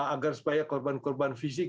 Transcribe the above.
agar supaya korban korban fisik